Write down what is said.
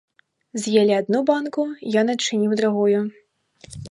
З'елі адну банку, ён адчыніў другую.